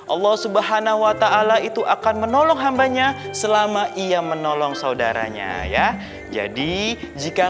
allah swt itu akan menolong hambanya selama ia menolong saudaranya ya jadi jika